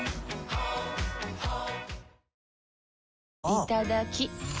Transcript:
いただきっ！